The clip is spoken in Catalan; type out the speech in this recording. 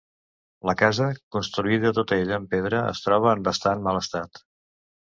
La casa, construïda tota ella en pedra, es troba en bastant mal estat.